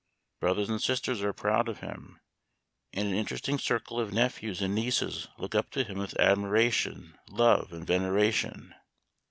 Brothers and sisters are proud of him, and an interesting circle of nephews and nieces look up to him with admiration, love, and veneration.